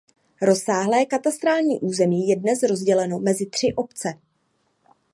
Rozsáhlé katastrální území je dnes rozděleno mezi tři obce.